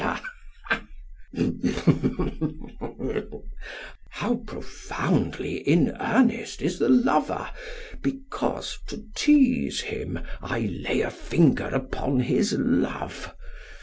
SOCRATES: How profoundly in earnest is the lover, because to tease him I lay a finger upon his love!